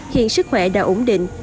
hiện sức khỏe đã ổn định